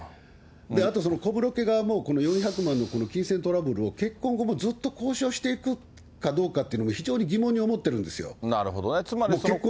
あと、小室家側も、この４００万の金銭トラブルを、結婚後もずっと交渉していくかどうかっていうのも、非常に疑問になるほどね。